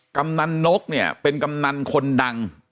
กำนันนกเป็นกำนันคนดัง